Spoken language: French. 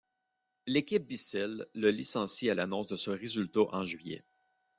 L'équipe Bissell le licencie à l'annonce de ce résultat en juillet.